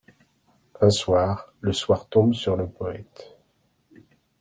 Un soir, le soir tombe sur le poète.